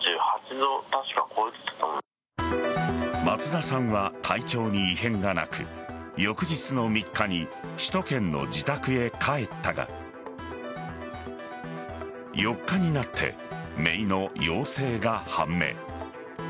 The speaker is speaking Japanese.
松田さんは体調に異変がなく翌日の３日に首都圏の自宅へ帰ったが４日になってめいの陽性が判明。